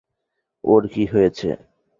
ওর কী হয়েছে?